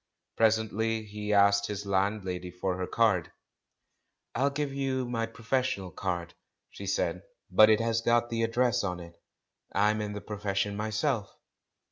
Presently he asked his landlady for her card, "I'll have to give you my professional card," she said, "but it has got the address on it; I'm in the profession myself."